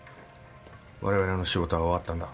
我々の仕事は終わったんだ。